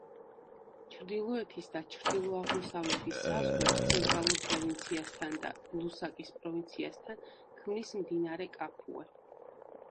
ჩრდილოეთის და ჩრდილო-აღმოსავლეთის საზღვრებს ცენტრალურ პროვინციასთან და ლუსაკის პროვინციასთან ქმნის მდინარე კაფუე.